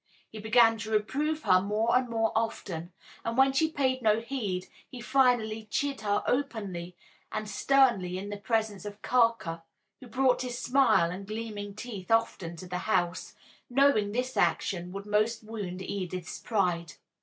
He began to reprove her more and more often, and when she paid no heed he finally chid her openly and sternly in the presence of Carker (who brought his smile and gleaming teeth often to the house), knowing this action would most wound Edith's pride.